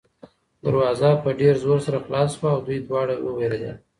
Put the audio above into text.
دروازه په ډېر زور سره خلاصه شوه او دوی دواړه ووېرېدل.